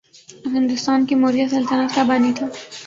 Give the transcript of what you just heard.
ہندوستان کی موریا سلطنت کا بانی تھا